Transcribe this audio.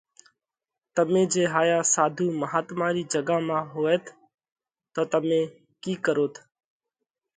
تمي جي هايا ساڌُو مهاتما رِي جڳا مانه هوئوت تو تمي ڪِي ڪروت؟